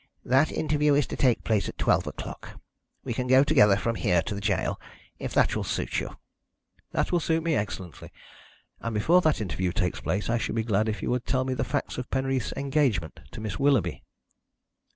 That interview is to take place at twelve o'clock. We can go together from here to the gaol, if that will suit you." "That will suit me excellently. And before that interview takes place I should be glad if you would tell me the facts of Penreath's engagement to Miss Willoughby."